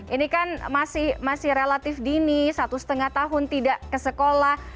ini kan masih relatif dini satu setengah tahun tidak ke sekolah